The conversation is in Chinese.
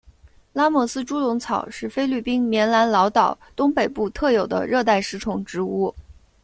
拉莫斯猪笼草是菲律宾棉兰老岛东北部特有的热带食虫植物。